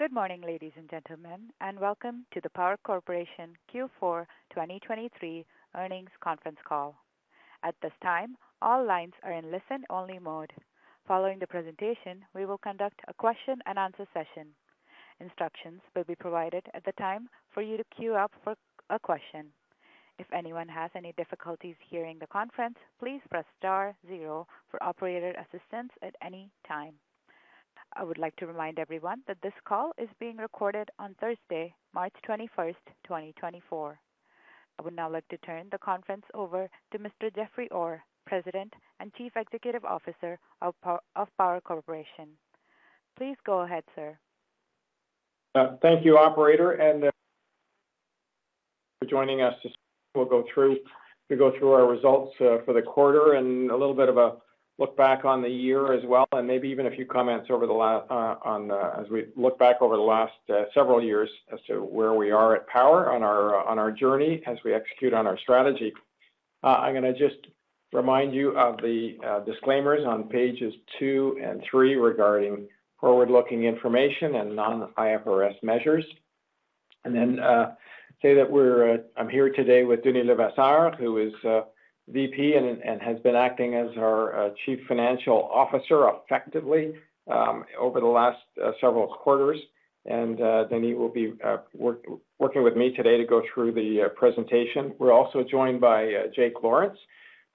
Good morning, ladies and gentlemen, and welcome to the Power Corporation Q4 2023 earnings conference call. At this time, all lines are in listen-only mode. Following the presentation, we will conduct a question-and-answer session. Instructions will be provided at the time for you to queue up for a question. If anyone has any difficulties hearing the conference, please press star zero for operator assistance at any time. I would like to remind everyone that this call is being recorded on Thursday, March 21st, 2024. I would now like to turn the conference over to Mr. Jeffrey Orr, President and Chief Executive Officer of Power Corporation. Please go ahead, sir. Thank you, operator, and for joining us. We'll go through our results for the quarter and a little bit of a look back on the year as well, and maybe even a few comments as we look back over the last several years as to where we are at Power on our journey as we execute on our strategy. I'm gonna just remind you of the disclaimers on pages two and three regarding forward-looking information and non-IFRS measures, and then say that I'm here today with Denis Le Vasseur, who is VP and has been acting as our Chief Financial Officer effectively over the last several quarters. And Denis will be working with me today to go through the presentation. We're also joined by Jake Lawrence,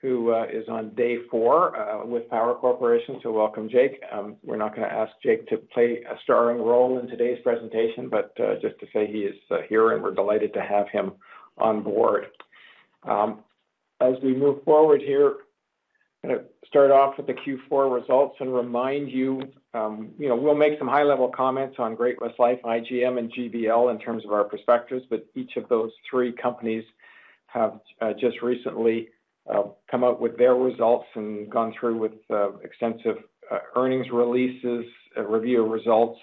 who is on day four with Power Corporation, so welcome, Jake. We're not gonna ask Jake to play a starring role in today's presentation, but just to say he is here, and we're delighted to have him on board. As we move forward here, gonna start off with the Q4 results and remind you, you know, we'll make some high-level comments on Great-West Lifeco, IGM, and GBL in terms of our perspectives, but each of those three companies have just recently come out with their results and gone through with extensive earnings releases, a review of results.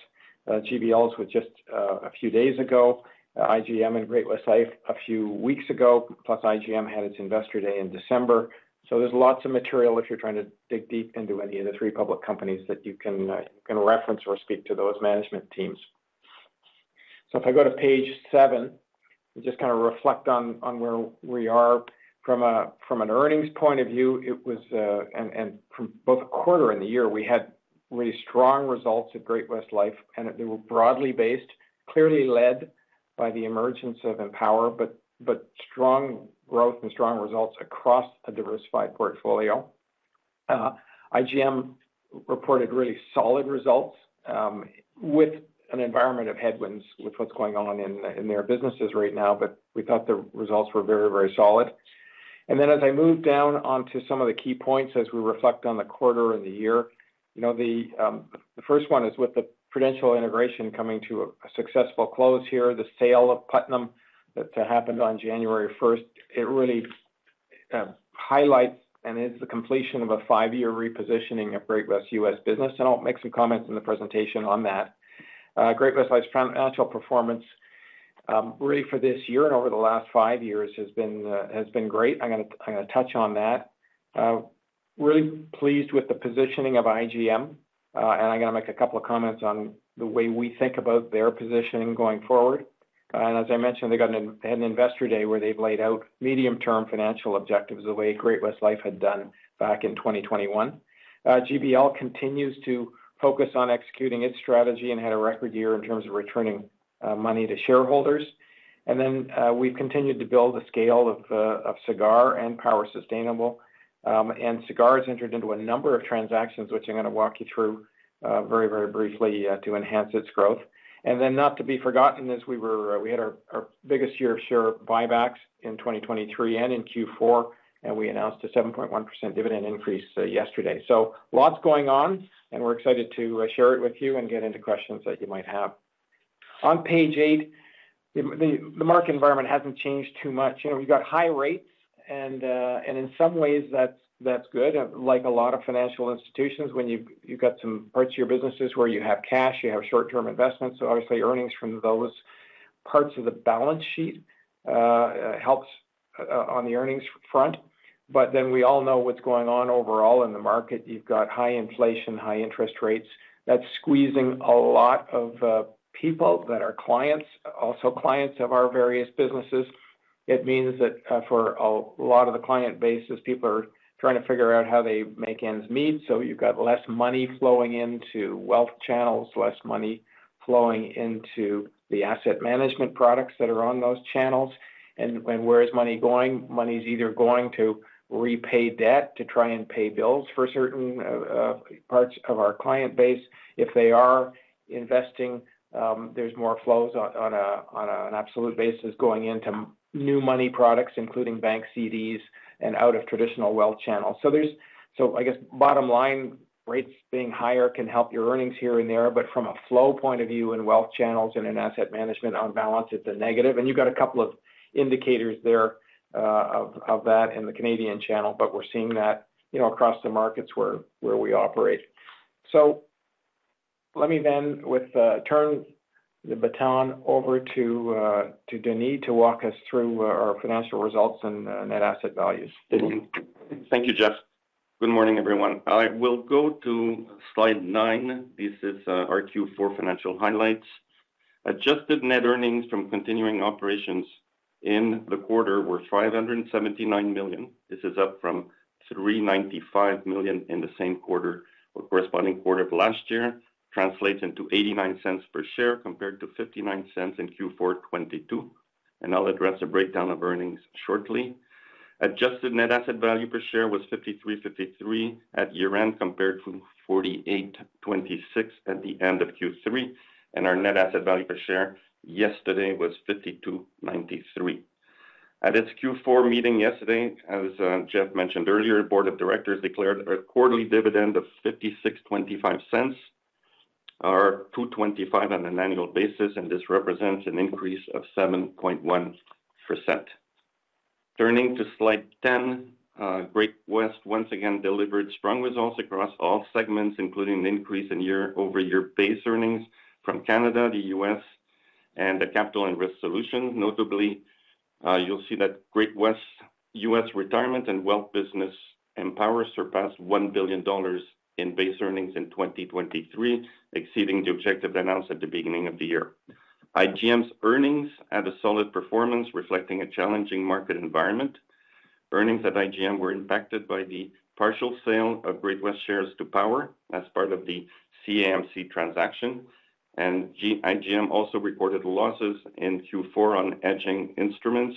GBL's was just a few days ago, IGM and Great-West Lifeco a few weeks ago, plus IGM had its Investor Day in December. So there's lots of material if you're trying to dig deep into any of the three public companies that you can reference or speak to those management teams. So if I go to page seven, and just kind of reflect on where we are from an earnings point of view, it was and from both a quarter and the year, we had really strong results Great-West Lifeco, and they were broadly based, clearly led by the emergence of Empower, but strong growth and strong results across a diversified portfolio. IGM reported really solid results, with an environment of headwinds with what's going on in their businesses right now, but we thought the results were very, very solid. Then as I move down onto some of the key points, as we reflect on the quarter and the year, you know, the first one is with the Prudential integration coming to a successful close here, the sale of Putnam that happened on January first, it really highlights and is the completion of a five-year repositioning of Great-West's U.S. business, and I'll make some comments in the presentation on that. Great-West Lifeco's financial performance really for this year and over the last five years has been great. I'm gonna touch on that. Really pleased with the positioning of IGM, and I'm gonna make a couple of comments on the way we think about their positioning going forward. As I mentioned, they've had an Investor Day where they've laid out medium-term financial objectives the way Great-West Lifeco had done back in 2021. GBL continues to focus on executing its strategy and had a record year in terms of returning money to shareholders. We've continued to build the scale of Sagard and Power Sustainable. Sagard has entered into a number of transactions which I'm gonna walk you through very, very briefly to enhance its growth. Not to be forgotten as we were, we had our biggest year of share buybacks in 2023 and in Q4, and we announced a 7.1% dividend increase yesterday. So lots going on, and we're excited to share it with you and get into questions that you might have. On page eight, the market environment hasn't changed too much. You know, we've got high rates, and in some ways, that's good. Like a lot of financial institutions, when you've got some parts of your businesses where you have cash, you have short-term investments, so obviously earnings from those parts of the balance sheet helps on the earnings front. But then we all know what's going on overall in the market. You've got high inflation, high interest rates. That's squeezing a lot of people that are clients, also clients of our various businesses. It means that for a lot of the client base, as people are trying to figure out how they make ends meet, so you've got less money flowing into wealth channels, less money flowing into the asset management products that are on those channels. And where is money going? Money is either going to repay debt to try and pay bills for certain parts of our client base. If they are investing, there's more flows on an absolute basis going into new money products, including bank CDs and out of traditional wealth channels. So I guess bottom line, rates being higher can help your earnings here and there, but from a flow point of view in wealth channels and in asset management, on balance, it's a negative. And you've got a couple of indicators there of that in the Canadian channel, but we're seeing that, you know, across the markets where we operate. So let me then with turn the baton over to Denis to walk us through our financial results and net asset values. Thank you, Jeff.Good morning, everyone. I will go to slide nine. This is our Q4 financial highlights. Adjusted net earnings from continuing operations in the quarter were 579 million. This is up from 395 million in the same quarter, or corresponding quarter of last year. Translates into 0.89 per share, compared to 0.59 in Q4 2022, and I'll address a breakdown of earnings shortly. Adjusted net asset value per share was 53.53 at year-end, compared to 48.26 at the end of Q3, and our net asset value per share yesterday was 52.93. At its Q4 meeting yesterday, as Jeff mentioned earlier, Board of Directors declared a quarterly dividend of 0.5625, or 2.25 on an annual basis, and this represents an increase of 7.1%. Turning to slide 10, Great-West once again delivered strong results across all segments, including an increase in year-over-year base earnings from Canada, the U.S., and the Capital and Risk Solutions. Notably, you'll see that Great-West's U.S. Retirement and Wealth business, Empower, surpassed $1 billion in base earnings in 2023, exceeding the objective announced at the beginning of the year. IGM's earnings had a solid performance, reflecting a challenging market environment. Earnings at IGM were impacted by the partial sale of Great-West shares to Power as part of the ChinaAMC transaction, and IGM also reported losses in Q4 on hedging instruments.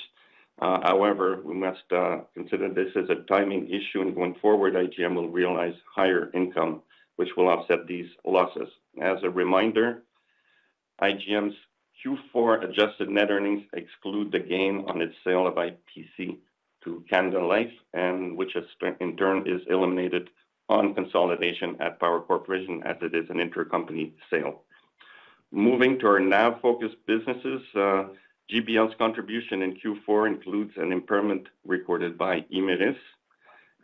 However, we must consider this as a timing issue, and going forward, IGM will realize higher income, which will offset these losses. As a reminder, IGM's Q4 adjusted net earnings exclude the gain on its sale of IPC to Canada Life, and which has, in turn, is eliminated on consolidation at Power Corporation as it is an intercompany sale. Moving to our NAV-focused businesses, GBL's contribution in Q4 includes an impairment recorded by Imerys.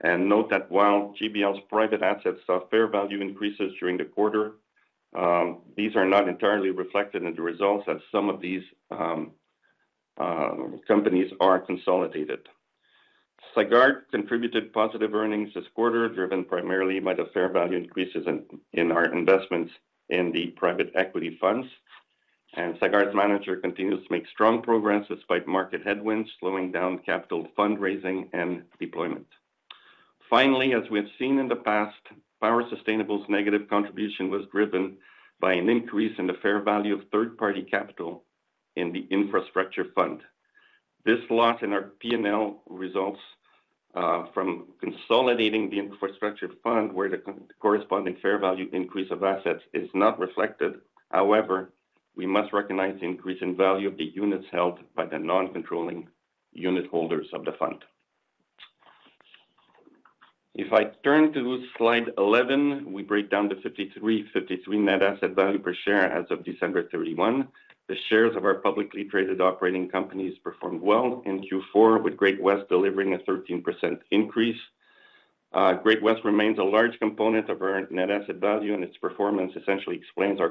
Note that while GBL's private assets saw fair value increases during the quarter, these are not entirely reflected in the results, as some of these companies are consolidated. Sagard contributed positive earnings this quarter, driven primarily by the fair value increases in our investments in the private equity funds. Sagard's manager continues to make strong progress despite market headwinds, slowing down capital fundraising and deployment. Finally, as we have seen in the past, Power Sustainable's negative contribution was driven by an increase in the fair value of third-party capital in the infrastructure fund. This loss in our P&L results from consolidating the infrastructure fund, where the corresponding fair value increase of assets is not reflected. However, we must recognize the increase in value of the units held by the non-controlling unit holders of the fund. If I turn to slide 11, we break down the 53.53 net asset value per share as of December 31. The shares of our publicly traded operating companies performed well in Q4, with Great-West delivering a 13% increase. Great-West remains a large component of our net asset value, and its performance essentially explains our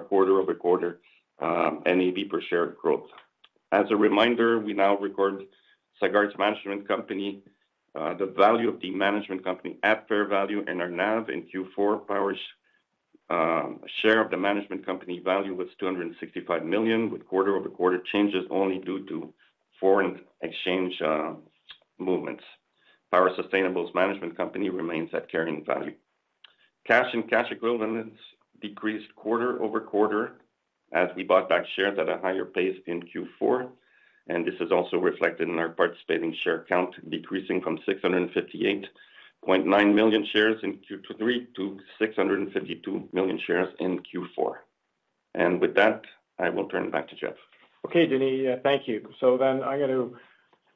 quarter-over-quarter NAV per share growth. As a reminder, we now record Sagard's management company, the value of the management company at fair value and our NAV in Q4, Power's share of the management company value was 265 million, with quarter-over-quarter changes only due to foreign exchange movements. Power Sustainable's management company remains at carrying value. Cash and cash equivalents decreased quarter over quarter as we bought back shares at a higher pace in Q4, and this is also reflected in our participating share count, decreasing from 658.9 million shares in Q3 to 652 million shares in Q4. And with that, I will turn it back to Jeff. Okay, Denis, thank you. So then I'm going to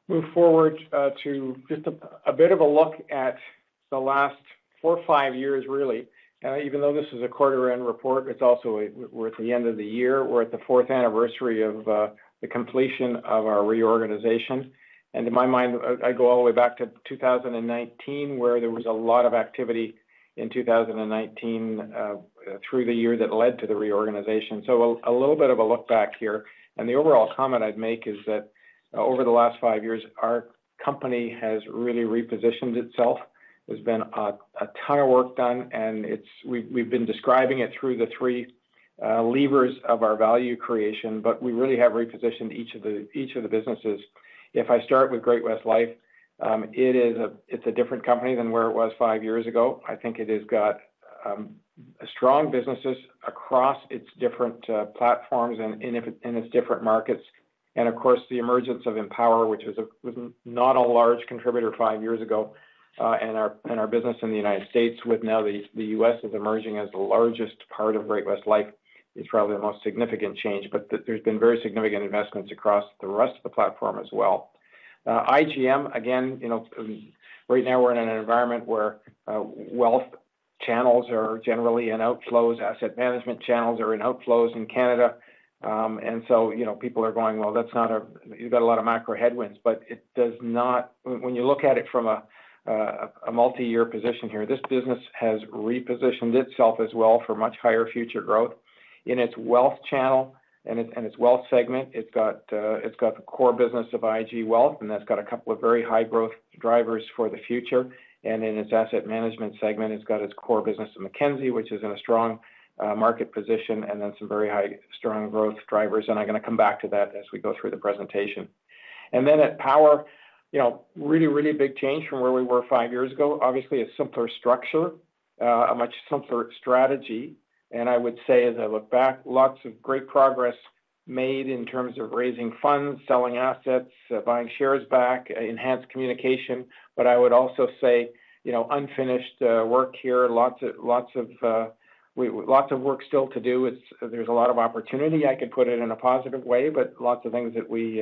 move forward to just a bit of a look at the last four-five years, really. Even though this is a quarter-end report, it's also. We're at the end of the year. We're at the fourth anniversary of the completion of our reorganization. And in my mind, I go all the way back to 2019, where there was a lot of activity in 2019 through the year, that led to the reorganization. So a little bit of a look back here, and the overall comment I'd make is that over the last five years, our company has really repositioned itself. There's been a ton of work done, and we've been describing it through the three levers of our value creation, but we really have repositioned each of the businesses. If I start with Great-West Lifeco, it is a different company than where it was five years ago. I think it has got strong businesses across its different platforms and in its different markets. And of course, the emergence of Empower, which was not a large contributor five years ago, and our business in the United States, with now the U.S. is emerging as the largest part of Great-West Lifeco, is probably the most significant change. But there's been very significant investments across the rest of the platform as well. IGM, again, you know, right now we're in an environment where wealth channels are generally in outflows, asset management channels are in outflows in Canada. And so, you know, people are going: Well, that's not a. You've got a lot of macro headwinds, but it does not. When you look at it from a multi-year position here, this business has repositioned itself as well for much higher future growth. In its wealth channel and its, and its wealth segment, it's got the core business of IG Wealth, and that's got a couple of very high growth drivers for the future. And in its asset management segment, it's got its core business in Mackenzie, which is in a strong market position, and then some very high strong growth drivers. I'm gonna come back to that as we go through the presentation. Then at Power, you know, really, really big change from where we were five years ago. Obviously, a simpler structure, a much simpler strategy. And I would say, as I look back, lots of great progress made in terms of raising funds, selling assets, buying shares back, enhanced communication. But I would also say, you know, unfinished work here, lots of, lots of, lots of work still to do. It's. There's a lot of opportunity, I could put it in a positive way, but lots of things that we,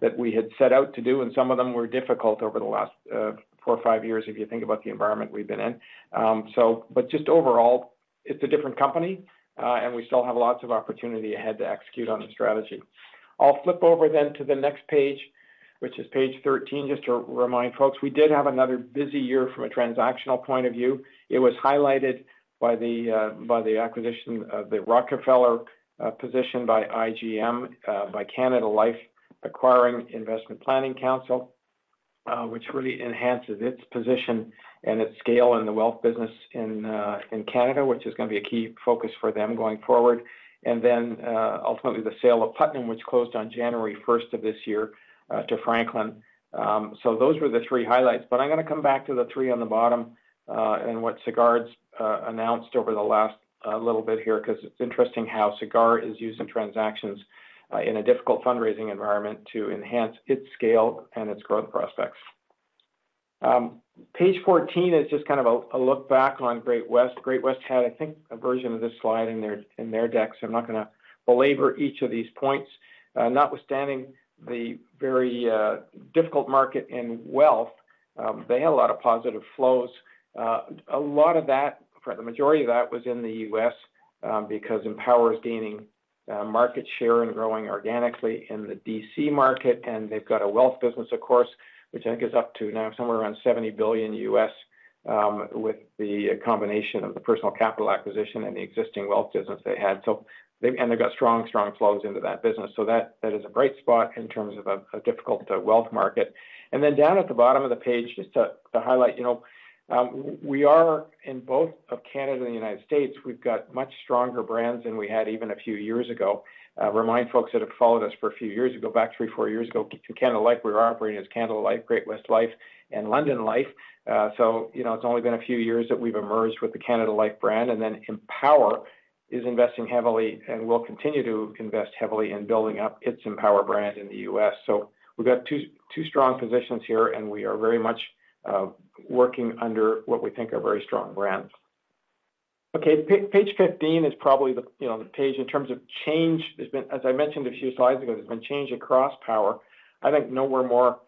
that we had set out to do, and some of them were difficult over the last four or five years if you think about the environment we've been in. So, but just overall, it's a different company, and we still have lots of opportunity ahead to execute on the strategy. I'll flip over then to the next page, which is page 13, just to remind folks, we did have another busy year from a transactional point of view. It was highlighted by the acquisition of the Rockefeller position by IGM, by Canada Life acquiring Investment Planning Counsel, which really enhances its position and its scale in the wealth business in Canada, which is going to be a key focus for them going forward. And then, ultimately, the sale of Putnam, which closed on January first of this year, to Franklin. So those were the three highlights, but I'm gonna come back to the three on the bottom, and what Sagard's announced over the last little bit here, because it's interesting how Sagard is used in transactions in a difficult fundraising environment to enhance its scale and its growth prospects. Page 14 is just kind of a look back on Great-West. Great-West had, I think, a version of this slide in their deck, so I'm not gonna belabor each of these points. Notwithstanding the very difficult market in wealth, they had a lot of positive flows. A lot of that, for the majority of that, was in the U.S., because Empower is gaining market share and growing organically in the DC market, and they've got a wealth business, of course, which I think is up to now somewhere around $70 billion with the combination of the Personal Capital acquisition and the existing wealth business they had. So they've. And they've got strong, strong flows into that business. So that, that is a bright spot in terms of a difficult wealth market. And then down at the bottom of the page, just to highlight, you know, we are in both of Canada and the United States, we've got much stronger brands than we had even a few years ago. Remind folks that have followed us for a few years, back three or four years ago, to Canada Life, we were operating as Canada Life, Great-West Lifeco, and London Life. So, you know, it's only been a few years that we've emerged with the Canada Life brand and then Empower is investing heavily and will continue to invest heavily in building up its Empower brand in the U.S. So, we've got two, two strong positions here, and we are very much working under what we think are very strong brands. Okay, page 15 is probably the, you know, the page in terms of change. There's been, as I mentioned a few slides ago, there's been change across Power. I think nowhere more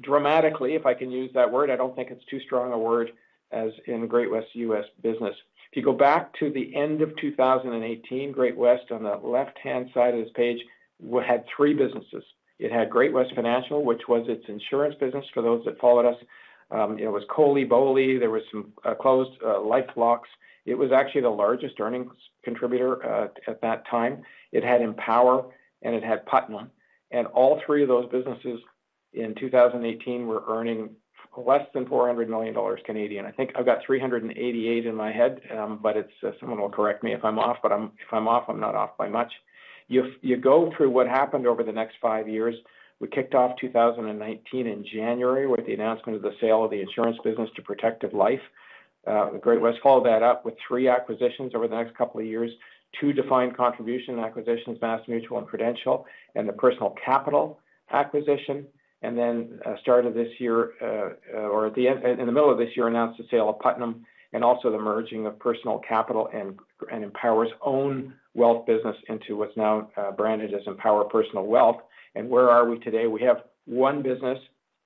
dramatically, if I can use that word, I don't think it's too strong a word, as in Great-West's U.S. business. If you go back to the end of 2018, Great-West, on the left-hand side of this page, had three businesses. It had Great-West Financial, which was its insurance business for those that followed us. It was COLI, BOLI, there was some closed life blocks. It was actually the largest earnings contributor at that time. It had Empower, and it had Putnam, and all three of those businesses in 2018 were earning less than 400 million Canadian dollars. I think I've got 388 million in my head, but it's, someone will correct me if I'm off, but if I'm off, I'm not off by much. If you go through what happened over the next five years, we kicked off 2019 in January with the announcement of the sale of the insurance business to Protective Life. Great-West followed that up with three acquisitions over the next couple of years: two defined contribution acquisitions, MassMutual and Prudential, and the Personal Capital acquisition. And then, in the middle of this year, announced the sale of Putnam and also the merging of Personal Capital and Empower's own wealth business into what's now branded as Empower Personal Wealth. And where are we today? We have one business,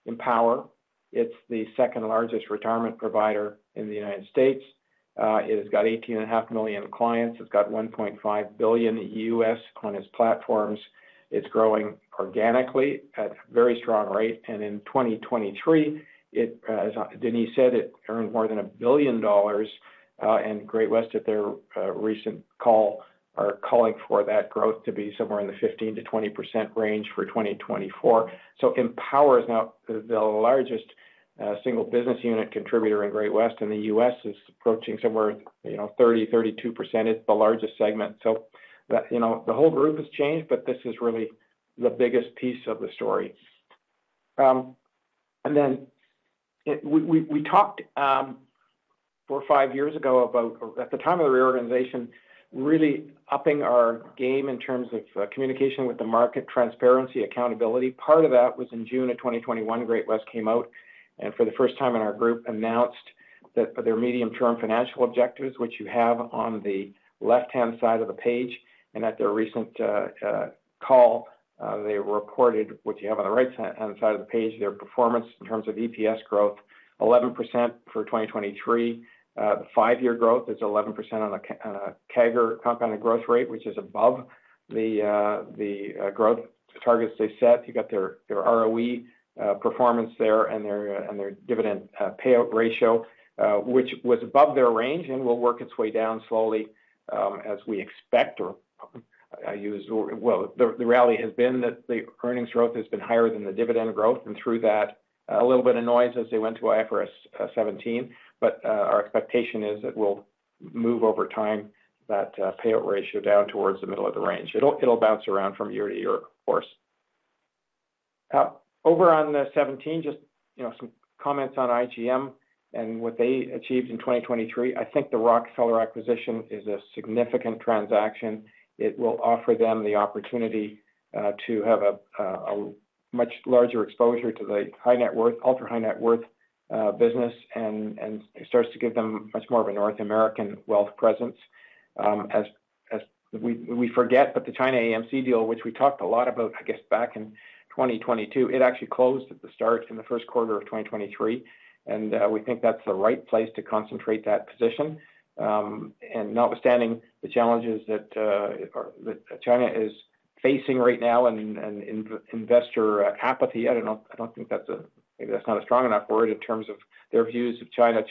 Empower. It's the second-largest retirement provider in the United States. It has got 18.5 million clients. It's got $1.5 billion on its platforms. It's growing organically at a very strong rate, and in 2023, it, as Denis said, it earned more than $1 billion, and Great-West, at their recent call, are calling for that growth to be somewhere in the 15%-20% range for 2024. So Empower is now the largest single business unit contributor in Great-West, and the U.S. is approaching somewhere, you know, 30-32%. It's the largest segment. So, but, you know, the whole group has changed, but this is really the biggest piece of the story. And then we talked four or five years ago about, at the time of the reorganization, really upping our game in terms of communication with the market, transparency, accountability. Part of that was in June of 2021, Great-West came out, and for the first time in our group, announced... that for their medium-term financial objectives, which you have on the left-hand side of the page, and at their recent call, they reported, which you have on the right-hand side of the page, their performance in terms of EPS growth, 11% for 2023. The five-year growth is 11% on a CAGR, compounded growth rate, which is above the, growth targets they set. You got their ROE performance there and their dividend payout ratio, which was above their range and will work its way down slowly, as we expect. Well, the rally has been that the earnings growth has been higher than the dividend growth, and through that, a little bit of noise as they went to IFRS 17. But our expectation is that we'll move over time that payout ratio down towards the middle of the range. It'll bounce around from year to year, of course. Over on the 17, just you know, some comments on IGM and what they achieved in 2023. I think the Rockefeller acquisition is a significant transaction. It will offer them the opportunity to have a much larger exposure to the high net worth, ultra-high net worth business, and it starts to give them much more of a North American wealth presence. As we forget, but the ChinaAMC deal, which we talked a lot about, I guess, back in 2022, it actually closed at the start, in the first quarter of 2023, and we think that's the right place to concentrate that position. And notwithstanding the challenges that or that China is facing right now and investor apathy, I don't know, I don't think that's a, maybe that's not a strong enough word in terms of their views of China.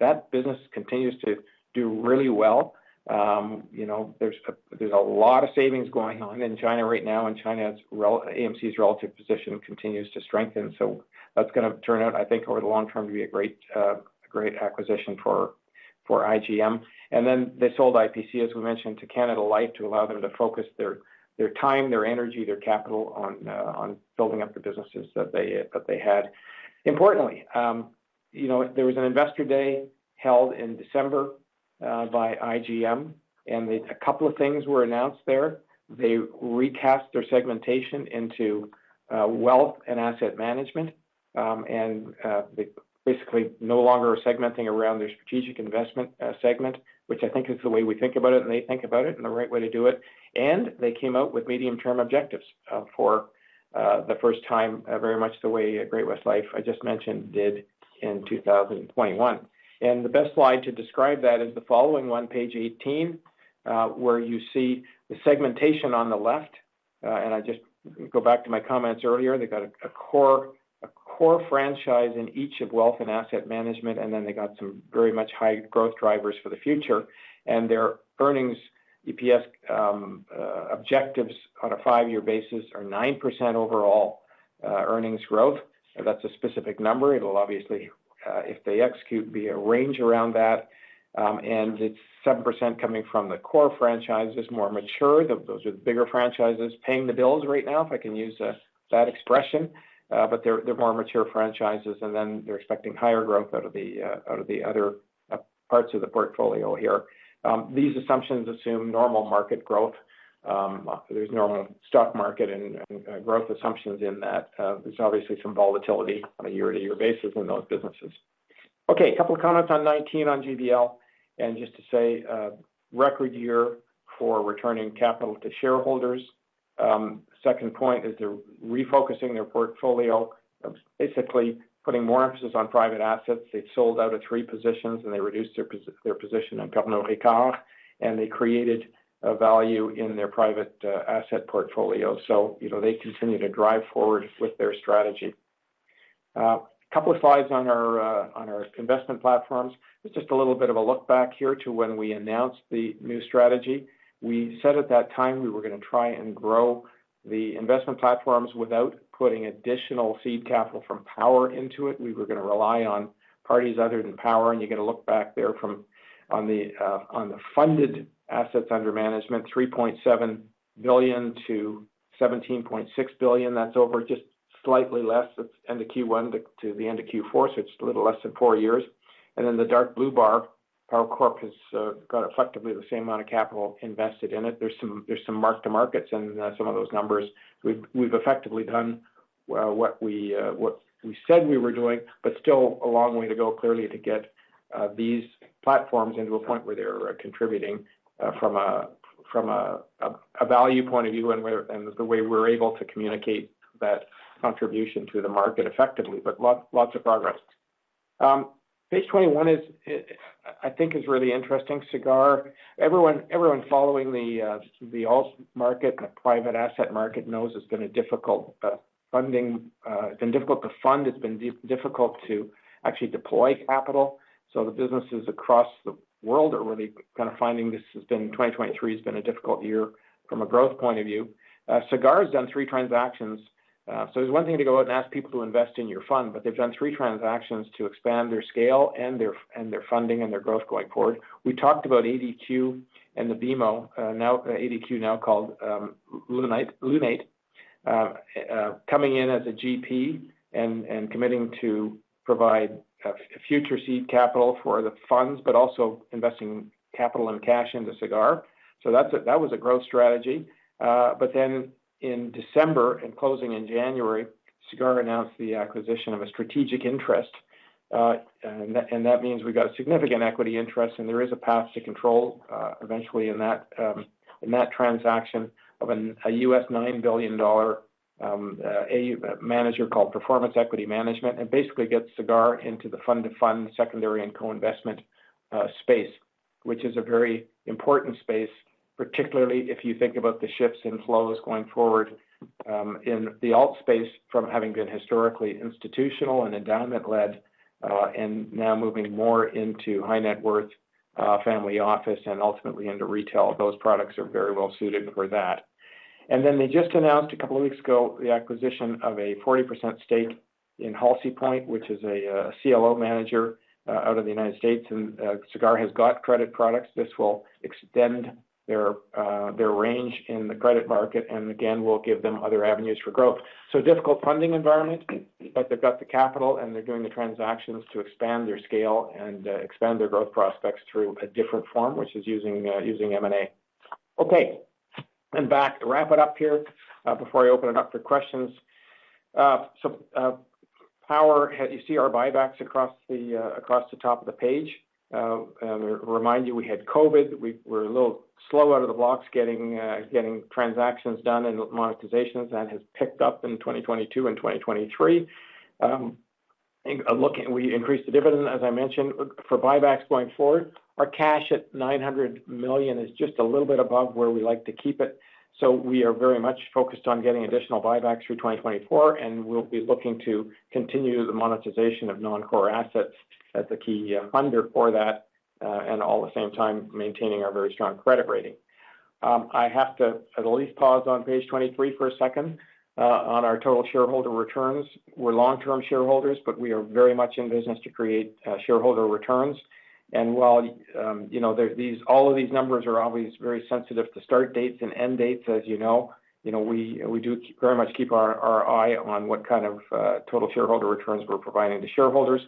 That business continues to do really well. You know, there's a lot of savings going on in China right now, and AMC's relative position continues to strengthen. So that's going to turn out, I think, over the long term, to be a great acquisition for IGM. And then they sold IPC, as we mentioned, to Canada Life, to allow them to focus their time, their energy, their capital on building up the businesses that they had. Importantly, you know, there was an investor day held in December by IGM, and a couple of things were announced there. They recast their segmentation into wealth and asset management, and they basically no longer are segmenting around their strategic investment segment, which I think is the way we think about it, and they think about it, and the right way to do it. And they came out with medium-term objectives for the first time, very much the way Great-West Lifeco, I just mentioned, did in 2021. And the best slide to describe that is the following one, page 18, where you see the segmentation on the left. And I just go back to my comments earlier. They've got a core, a core franchise in each of wealth and asset management, and then they got some very much high growth drivers for the future. Their earnings, EPS, objectives on a five-year basis are 9% overall earnings growth. That's a specific number. It'll obviously, if they execute, be a range around that. And it's 7% coming from the core franchises, more mature. Those are the bigger franchises paying the bills right now, if I can use that expression. But they're more mature franchises, and then they're expecting higher growth out of the other parts of the portfolio here. These assumptions assume normal market growth. There's normal stock market and growth assumptions in that. There's obviously some volatility on a year-to-year basis in those businesses. Okay, a couple of comments on 2019, on GBL, and just to say, record year for returning capital to shareholders. Second point is they're refocusing their portfolio, basically putting more emphasis on private assets. They've sold out of three positions, and they reduced their position in Pernod Ricard, and they created a value in their private asset portfolio. So, you know, they continue to drive forward with their strategy. Couple of slides on our investment platforms. It's just a little bit of a look back here to when we announced the new strategy. We said at that time we were going to try and grow the investment platforms without putting additional seed capital from Power into it. We were going to rely on parties other than Power, and you get a look back there from on the funded assets under management, 3.7 billion-17.6 billion. That's over just slightly less. That's end of Q1 to the end of Q4, so it's a little less than four years. And then the dark blue bar, Power Corp, has got effectively the same amount of capital invested in it. There's some mark to markets in some of those numbers. We've effectively done what we said we were doing, but still a long way to go, clearly, to get these platforms into a point where they're contributing from a value point of view and the way we're able to communicate that contribution to the market effectively, but lots of progress. Page 21 is, I think, really interesting, Sagard. Everyone following the alt market, the private asset market, knows it's been a difficult funding... It's been difficult to fund. It's been difficult to actually deploy capital. So the businesses across the world are really kind of finding this has been, 2023 has been a difficult year from a growth point of view. Sagard has done three transactions. So it's one thing to go out and ask people to invest in your fund, but they've done three transactions to expand their scale and their funding, and their growth going forward. We talked about ADQ and the BMO. Now ADQ, now called Lunate, coming in as a GP and committing to provide future seed capital for the funds, but also investing capital and cash into Sagard. So that was a growth strategy. But then in December and closing in January, Sagard announced the acquisition of a strategic interest, and that, and that means we've got a significant equity interest, and there is a path to control, eventually in that, in that transaction of a USD $9 billion manager called Performance Equity Management, and basically gets Sagard into the fund-of-funds secondary and co-investment space. Which is a very important space, particularly if you think about the shifts in flows going forward, in the alt space, from having been historically institutional and endowment-led, and now moving more into high net worth, family office and ultimately into retail. Those products are very well suited for that. Then they just announced a couple of weeks ago the acquisition of a 40% stake in HalseyPoint, which is a CLO manager out of the United States, and Sagard has got credit products. This will extend their range in the credit market, and again, will give them other avenues for growth. So difficult funding environment, but they've got the capital, and they're doing the transactions to expand their scale and expand their growth prospects through a different form, which is using M&A. Okay, and back to wrap it up here before I open it up for questions. So Power, you see our buybacks across the top of the page. Remind you, we had COVID. We were a little slow out of the blocks getting transactions done and monetizations. That has picked up in 2022 and 2023. And look, we increased the dividend, as I mentioned. For buybacks going forward, our cash at 900 million is just a little bit above where we like to keep it, so we are very much focused on getting additional buybacks through 2024, and we'll be looking to continue the monetization of non-core assets as a key funder for that, and at the same time, maintaining our very strong credit rating. I have to at least pause on page 23 for a second, on our total shareholder returns. We're long-term shareholders, but we are very much in business to create shareholder returns. And while, you know, these, all of these numbers are always very sensitive to start dates and end dates, as you know. You know, we do very much keep our eye on what kind of total shareholder returns we're providing to shareholders.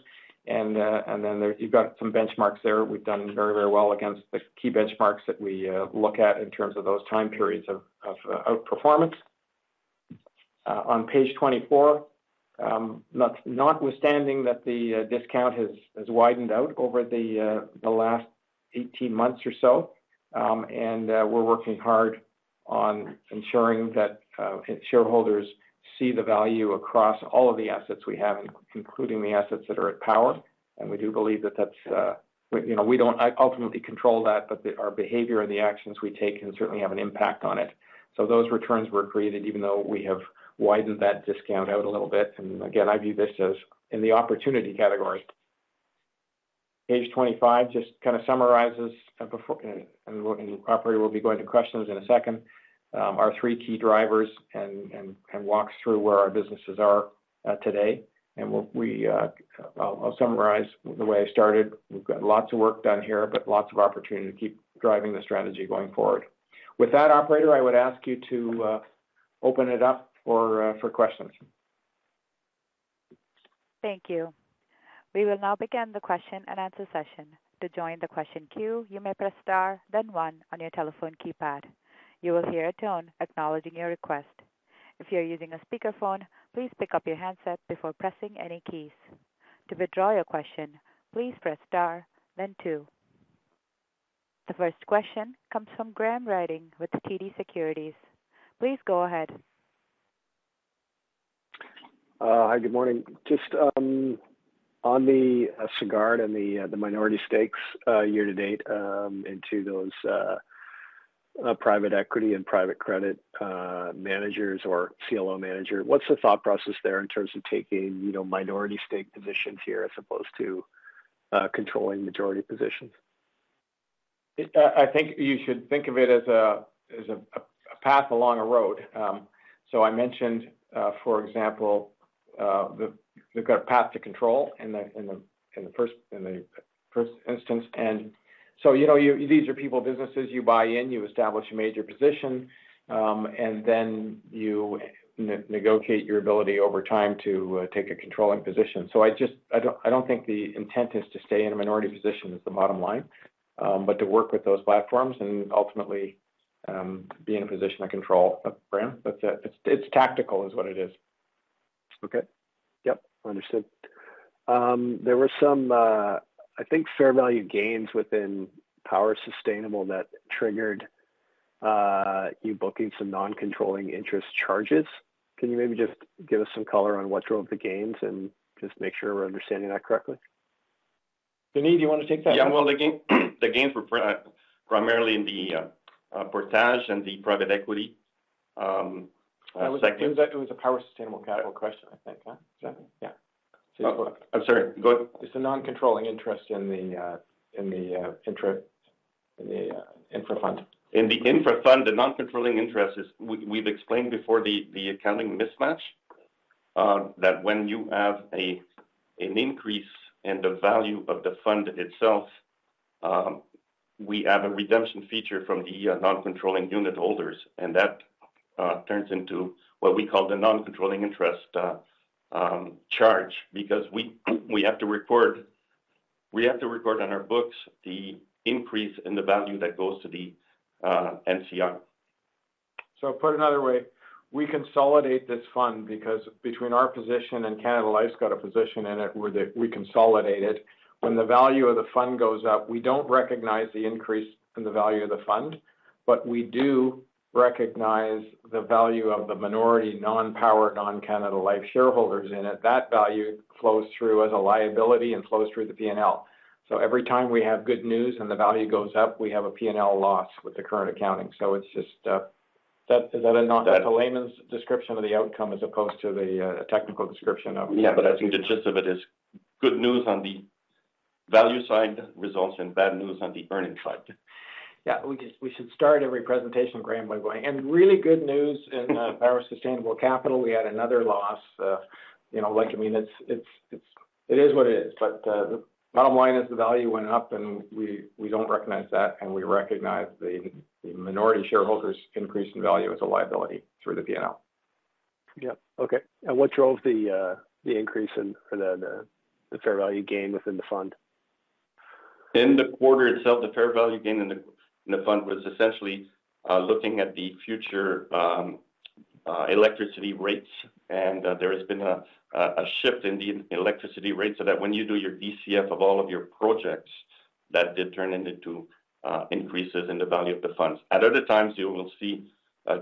And then there, you've got some benchmarks there. We've done very, very well against the key benchmarks that we look at in terms of those time periods of outperformance. On page 24, notwithstanding that the discount has widened out over the last 18 months or so, and we're working hard on ensuring that shareholders see the value across all of the assets we have, including the assets that are at Power. And we do believe that that's, you know, we don't ultimately control that, but our behavior and the actions we take can certainly have an impact on it. So those returns were created even though we have widened that discount out a little bit. And again, I view this as in the opportunity category. Page 25 just kind of summarizes, and before. And operator, we'll be going to questions in a second. Our three key drivers and walks through where our businesses are today. And we'll, I'll summarize the way I started. We've got lots of work done here, but lots of opportunity to keep driving the strategy going forward. With that, operator, I would ask you to open it up for questions. Thank you. We will now begin the question and answer session. To join the question queue, you may press star, then one on your telephone keypad. You will hear a tone acknowledging your request. If you are using a speakerphone, please pick up your handset before pressing any keys. To withdraw your question, please press star, then two. The first question comes from Graham Ryding with TD Securities. Please go ahead. Hi, good morning. Just, on the Sagard and the minority stakes, year to date, into those private equity and private credit managers or CLO manager, what's the thought process there in terms of taking, you know, minority stake positions here, as opposed to controlling majority positions? I think you should think of it as a path along a road. So I mentioned, for example, we've got a path to control in the first instance. And so, you know, these are people, businesses you buy in, you establish a major position, and then you negotiate your ability over time to take a controlling position. So I just I don't, I don't think the intent is to stay in a minority position, is the bottom line. But to work with those platforms and ultimately, be in a position of control, Graham. But, it's tactical, is what it is. Okay. Yep, understood. There were some, I think, fair value gains within Power Sustainable that triggered, you booking some non-controlling interest charges. Can you maybe just give us some color on what drove the gains and just make sure we're understanding that correctly? Denis, do you want to take that? Yeah, well, the gain, the gains were primarily in the Portage and the private equity, second- It was, it was a Power Sustainable capital question, I think, huh, Graham? Yeah. I'm sorry, go ahead. It's a Non-Controlling Interest in the infra fund. In the infra fund, the non-controlling interest is, we've explained before, the accounting mismatch that when you have an increase in the value of the fund itself, we have a redemption feature from the non-controlling unit holders, and that turns into what we call the non-controlling interest charge, because we have to report on our books the increase in the value that goes to the NCI. So put another way, we consolidate this fund because between our position and Canada Life's got a position in it, where they, we consolidate it. When the value of the fund goes up, we don't recognize the increase in the value of the fund, but we do recognize the value of the minority non-Power, non-Canada Life shareholders in it. That value flows through as a liability and flows through the P&L. So every time we have good news and the value goes up, we have a P&L loss with the current accounting. So it's just that, is that not a layman's description of the outcome as opposed to the technical description of- Yeah, but I think the gist of it is good news on the value side results in bad news on the earnings side. Yeah, we just we should start every presentation, Graham, by going, "And really good news in Power Sustainable, we had another loss." You know, like, I mean, it's, it's, it's, it is what it is. But the bottom line is the value went up, and we don't recognize that, and we recognize the minority shareholders' increase in value as a liability through the P&L. Yep. Okay. And what drove the increase in, or the fair value gain within the fund? In the quarter itself, the fair value gain in the, in the fund was essentially, looking at the future, electricity rates, and, there has been a, a shift in the electricity rates, so that when you do your DCF of all of your projects, that did turn into, increases in the value of the funds. At other times, you will see,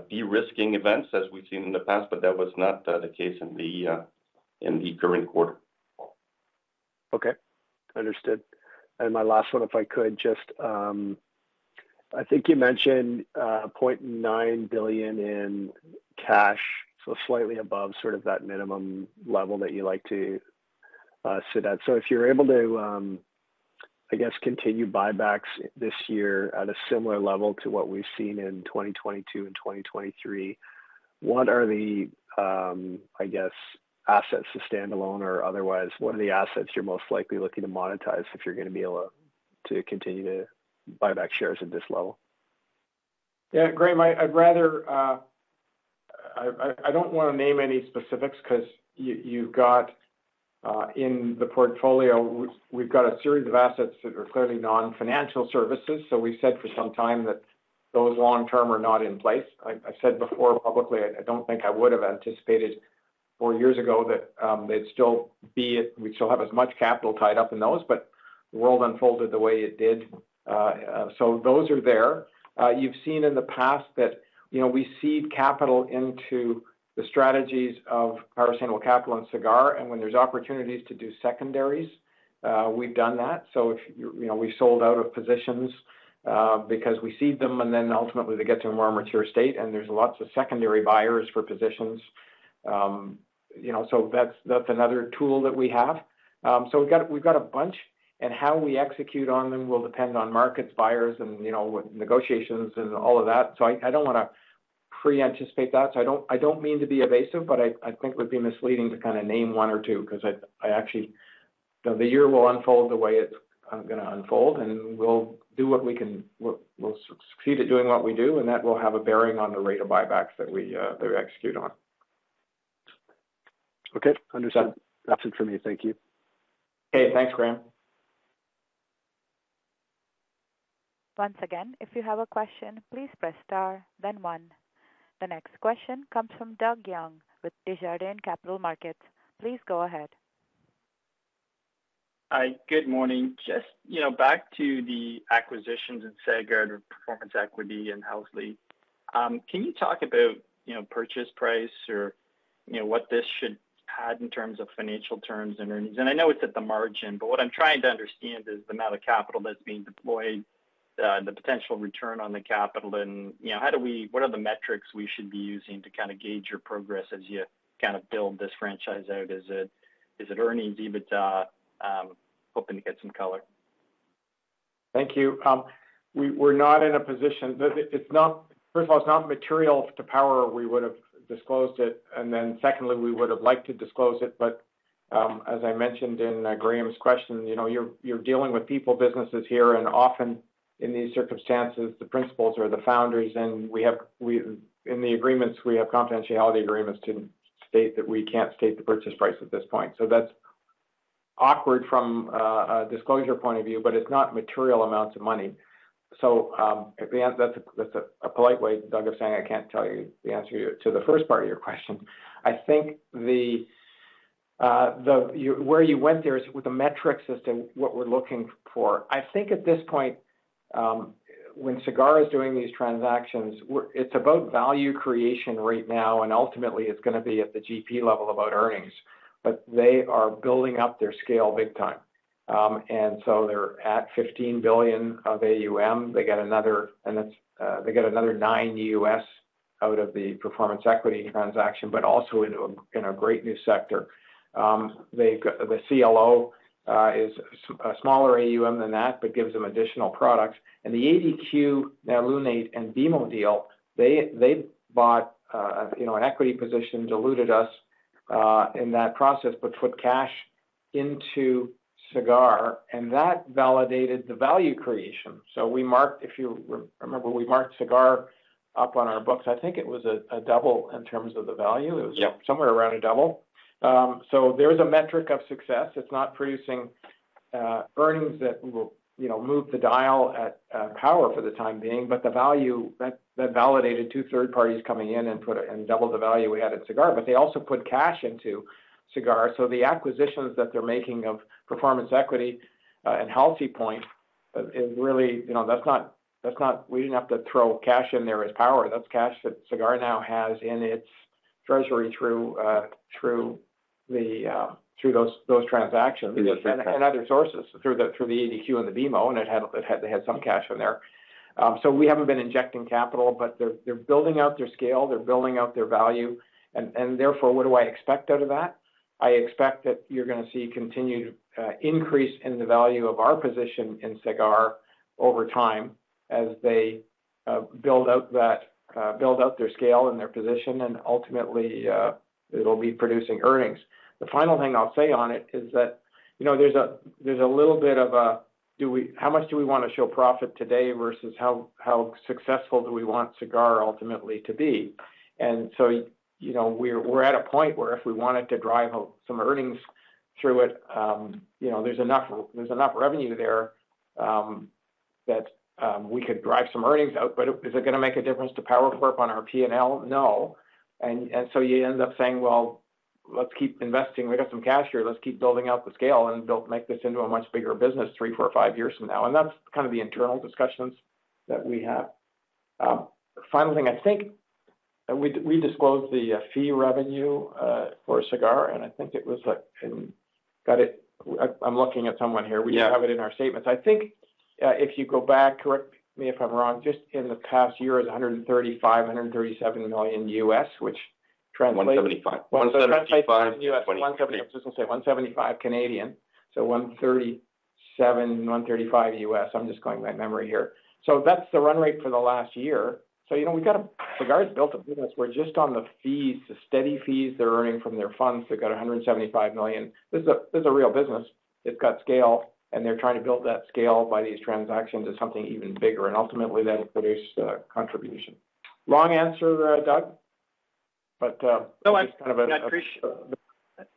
de-risking events, as we've seen in the past, but that was not, the case in the, in the current quarter. Okay, understood. And my last one, if I could just, I think you mentioned 0.9 billion in cash, so slightly above sort of that minimum level that you like to sit at. So if you're able to, I guess, continue buybacks this year at a similar level to what we've seen in 2022 and 2023, what are the, I guess, assets to stand alone or otherwise, what are the assets you're most likely looking to monetize if you're going to be able to continue to buy back shares at this level? Yeah, Graham, I'd rather, I don't want to name any specifics because you've got in the portfolio we've got a series of assets that are clearly non-financial services, so we've said for some time that those long term are not in place. I said before publicly, I don't think I would have anticipated four years ago that they'd still be at we'd still have as much capital tied up in those, but the world unfolded the way it did, so those are there. You've seen in the past that, you know, we seed capital into the strategies of Power Sustainable and Sagard, and when there's opportunities to do secondaries, we've done that. So if, you know, we've sold out of positions because we seed them, and then ultimately they get to a more mature state, and there's lots of secondary buyers for positions. You know, so that's, that's another tool that we have. So we've got, we've got a bunch, and how we execute on them will depend on markets, buyers, and, you know, negotiations and all of that. So I, I don't want to pre-anticipate that. So I don't, I don't mean to be evasive, but I, I think it would be misleading to kind of name one or two, because I, I actually You know, the year will unfold the way it's going to unfold, and we'll do what we can, we'll succeed at doing what we do, and that will have a bearing on the rate of buybacks that we execute on. Okay, understood. That's it for me. Thank you. Okay. Thanks, Graham. Once again, if you have a question, please press star, then one. The next question comes from Doug Young with Desjardins Capital Markets. Please go ahead. Hi, good morning. Just, you know, back to the acquisitions in Sagard and Performance Equity Management and Halsey Point. Can you talk about, you know, purchase price or, you know, what this should add in terms of financial terms and earnings? And I know it's at the margin, but what I'm trying to understand is the amount of capital that's being deployed, the potential return on the capital and, you know, how do we, what are the metrics we should be using to kind of gauge your progress as you kind of build this franchise out? Is it, is it earnings, EBITDA? Hoping to get some color. Thank you. We're not in a position, but it's not, first of all, it's not material to Power. We would have disclosed it. And then secondly, we would have liked to disclose it. But, as I mentioned in Graham's question, you know, you're dealing with people businesses here, and often in these circumstances, the principals are the founders, and we have in the agreements we have confidentiality agreements to state that we can't state the purchase price at this point. So that's awkward from a disclosure point of view, but it's not material amounts of money. So, that's a polite way, Doug, of saying I can't tell you the answer to the first part of your question. I think the you where you went there is with the metrics as to what we're looking for. I think at this point, when Sagard is doing these transactions, we're, it's about value creation right now, and ultimately, it's going to be at the GP level about earnings, but they are building up their scale big time. And so they're at $15 billion of AUM. They get another, and it's, they get another $9 billion out of the performance equity transaction, but also in a great new sector. They've got the CLO is a smaller AUM than that but gives them additional products. And the ADQ, now Lunate and BMO deal, they bought you know an equity position, diluted us in that process, but put cash into Sagard, and that validated the value creation. So, we marked, if you re-remember, we marked Sagard up on our books. I think it was a double in terms of the value. Yep. It was somewhere around a double. So there is a metric of success. It's not producing earnings that will, you know, move the dial at Power for the time being, but the value that validated two third parties coming in and put it and doubled the value we had at Sagard. But they also put cash into Sagard. So the acquisitions that they're making of Performance Equity and Halsey Point is really, you know, that's not – we didn't have to throw cash in there as Power. That's cash that Sagard now has in its treasury through those transactions and other sources, through the ADQ and the BMO, and it had to have some cash in there. So we haven't been injecting capital, but they're building out their scale, they're building out their value, and therefore, what do I expect out of that? I expect that you're gonna see continued increase in the value of our position in Sagard over time as they build out that build out their scale and their position, and ultimately, it'll be producing earnings. The final thing I'll say on it is that, you know, there's a little bit of a do we, how much do we want to show profit today versus how successful do we want Sagard ultimately to be? And so, you know, we're at a point where if we wanted to drive some earnings through it, you know, there's enough revenue there that we could drive some earnings out, but is it gonna make a difference to Power Corp on our P&L? No. And so you end up saying, "Well, let's keep investing. We got some cash here, let's keep building out the scale and build, make this into a much bigger business three, four, or five years from now." And that's kind of the internal discussions that we have. Final thing, I think we disclosed the fee revenue for Sagard, and I think it was like, in, got it. I'm looking at someone here. Yeah. We have it in our statements. I think, if you go back, correct me if I'm wrong, just in the past year, it was $135 million, $137 million U.S., which translates- CAD 175 million Translates to U.S. One seventy. Just gonna say CAD 175 million, so $137 million, $135 million. I'm just going by memory here. So that's the run rate for the last year. So, you know, we've got a Sagard has built a business where just on the fees, the steady fees they're earning from their funds, they've got 175 million. This is a, this is a real business. They've got scale, and they're trying to build that scale by these transactions into something even bigger, and ultimately, that'll produce contribution. Long answer, Doug, but- No, I- Just kind of a I appreciate-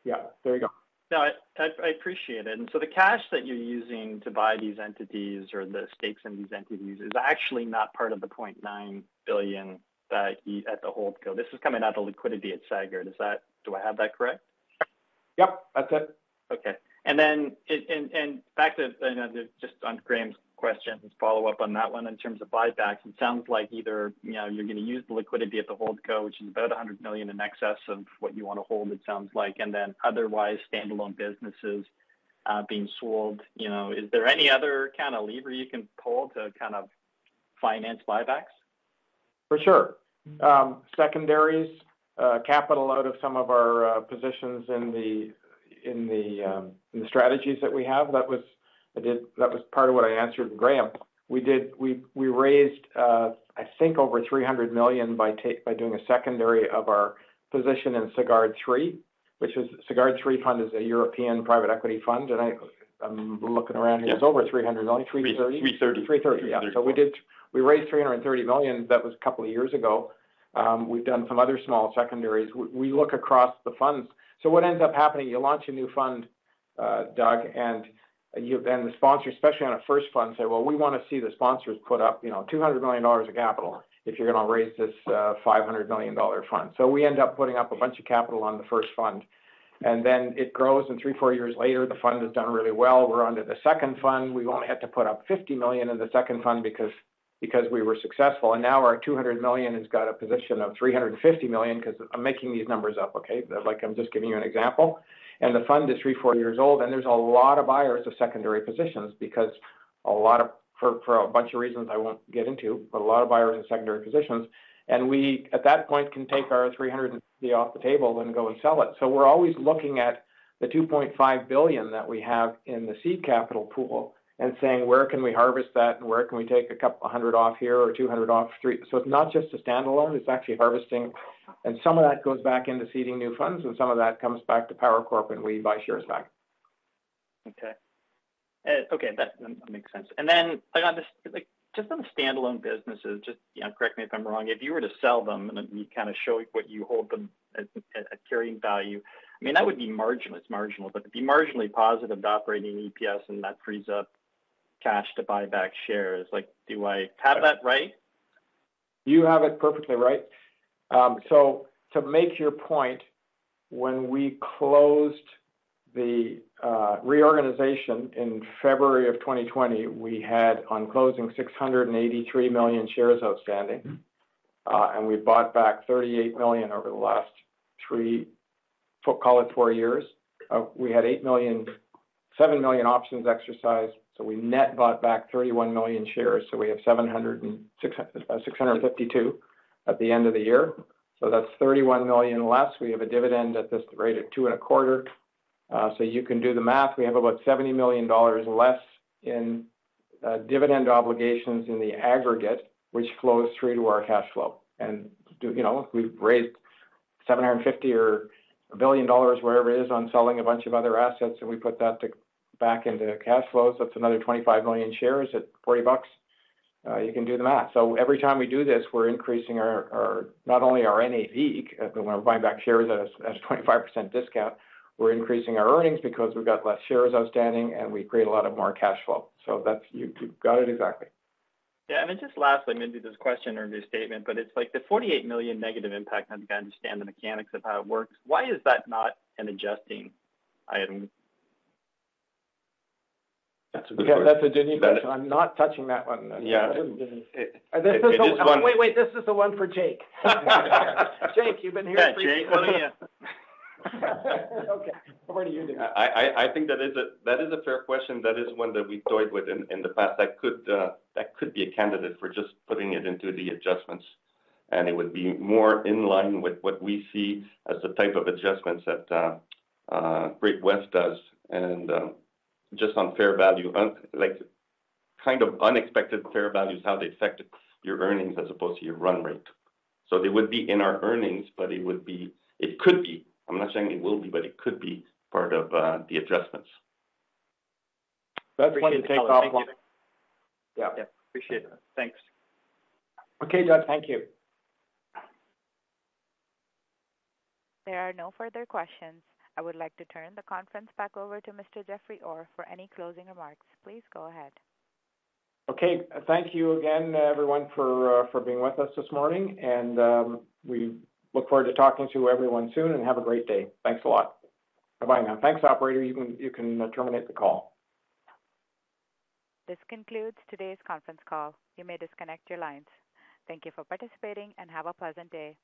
Yeah, there you go. No, I, I appreciate it. So the cash that you're using to buy these entities or the stakes in these entities is actually not part of the 0.9 billion that you at the hold co. This is coming out of the liquidity at Sagard. Does that - do I have that correct? Yep, that's it. Okay. And then back to, you know, just on Graham's question, just follow up on that one in terms of buybacks. It sounds like either, you know, you're gonna use the liquidity at the hold co, which is about 100 million in excess of what you want to hold, it sounds like, and then otherwise, standalone businesses being sold. You know, is there any other kind of lever you can pull to kind of finance buybacks? For sure. Secondaries, capital out of some of our positions in the strategies that we have. That was part of what I answered Graham. We did, we raised, I think over 300 million by doing a secondary of our position in Sagard III, which is, Sagard III fund is a European private equity fund. And I, I'm looking around here. Yeah. It's over 300 million, only 330 million? Three thirty. 330 million, yeah. Three thirty. So we did, we raised 330 million. That was a couple of years ago. We've done some other small secondaries. We, we look across the funds. So what ends up happening, you launch a new fund, Doug, and you, and the sponsor, especially on a first fund, say, "Well, we want to see the sponsors put up, you know, 200 million dollars of capital if you're gonna raise this, five hundred million dollar fund." So we end up putting up a bunch of capital on the first fund, and then it grows, and three-four years later, the fund has done really well. We're onto the second fund. We only had to put up 50 million in the second fund because, because we were successful, and now our 200 million has got a position of 350 million because I'm making these numbers up, okay? Like, I'm just giving you an example. And the fund is three-four years old, and there's a lot of buyers of secondary positions because a lot of. For a bunch of reasons I won't get into, but a lot of buyers in secondary positions, and we, at that point, can take our 350 off the table and go and sell it. So we're always looking at the 2.5 billion that we have in the seed capital pool and saying: Where can we harvest that? And where can we take a couple of hundred off here or 200 off 3? So, it's not just a standalone, it's actually harvesting. And some of that goes back into seeding new funds, and some of that comes back to Power Corp, and we buy shares back. Okay. Okay, that makes sense. And then, like, on this, like, just on the standalone businesses, just, you know, correct me if I'm wrong, if you were to sell them and, and you kind of show what you hold them at, at, at carrying value, I mean, that would be marginal. It's marginal, but it'd be marginally positive to operating EPS, and that frees up cash to buy back shares. Like, do I have that right? You have it perfectly right. So to make your point, when we closed the reorganization in February of 2020, we had on closing 683 million shares outstanding. Mm-hmm. And we bought back 38 million over the last three, call it four years. We had eight million, seven million options exercised, so we net bought back 31 million shares. So, we have 706, 652 at the end of the year, so that's 31 million less. We have a dividend at this rate of 2.25. So, you can do the math. We have about 70 million dollars less in dividend obligations in the aggregate, which flows through to our cash flow. And, you know, we've raised 750 million or 1 billion dollars, whatever it is, on selling a bunch of other assets, and we put that back into cash flow. So, it's another 25 million shares at 40 bucks. You can do the math. So every time we do this, we're increasing our, not only our NAV when we're buying back shares at a 25% discount, we're increasing our earnings because we've got less shares outstanding, and we create a lot more cash flow. So that's. You got it exactly. Yeah, and then just lastly, maybe this is a question or a new statement, but it's like the 48 million negative impact, and I understand the mechanics of how it works. Why is that not an adjusting item? That's a genuine question. I'm not touching that one. Yeah. This is a... It is one- Wait, wait, this is the one for Jake. Jake, you've been here- Yeah, Jake, come on in. Okay, away to you, dude. I think that is a fair question. That is one that we've toyed with in the past. That could be a candidate for just putting it into the adjustments, and it would be more in line with what we see as the type of adjustments that Great-West does, and just on fair value, like, kind of unexpected fair value is how they affect your earnings as opposed to your run rate. So they would be in our earnings, but it would be it could be, I'm not saying it will be, but it could be part of the adjustments. That's one to take off- Thank you. Yeah. Yeah, appreciate it. Thanks. Okay, Doug, thank you. There are no further questions. I would like to turn the conference back over to Mr. Jeffrey Orr for any closing remarks. Please go ahead. Okay. Thank you again, everyone, for being with us this morning, and we look forward to talking to everyone soon, and have a great day. Thanks a lot. Bye-bye, now. Thanks, operator. You can, you can, terminate the call. This concludes today's conference call. You may disconnect your lines. Thank you for participating, and have a pleasant day.